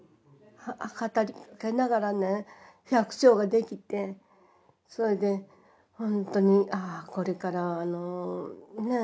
語りかけながらね百姓ができてそれでほんとにああこれからあのねえ